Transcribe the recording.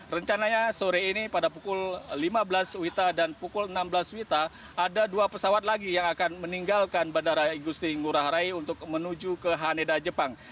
rencananya sore ini pada pukul lima belas wita dan pukul enam belas wita ada dua pesawat lagi yang akan meninggalkan bandara igusti ngurah rai untuk menuju ke haneda jepang